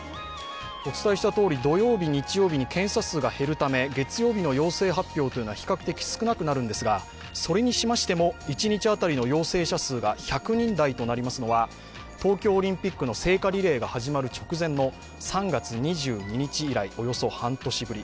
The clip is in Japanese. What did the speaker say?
お伝えしたとおり土曜日、日曜日に検査数が減るため月曜日の陽性発表というのは比較的少なくなるのですが、それにしましても一日当たりの陽性者数が１００人台となりますのは東京オリンピックの聖火リレーが始まる直前の３月２２日以来およそ半年ぶり。